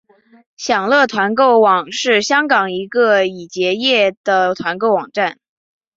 享乐团购网是香港一个已结业的团购网站。